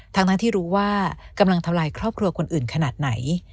ทั้งที่รู้ว่ากำลังทำลายครอบครัวคนอื่นขนาดไหน